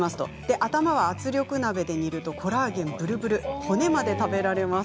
頭は圧力鍋で煮るとコラーゲンぷるぷる、骨まで食べられます